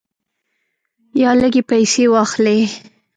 یا لږې پیسې واخلې.